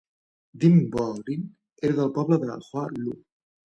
Dinh Bo Linh era del poble de Hoa Lu.